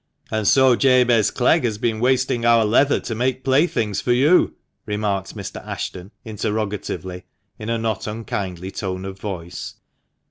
"And so Jabez Clegg has been wasting our leather to make playthings for you ?" remarked Mr. Ashton interrogatively, in a not unkindly tone of voice.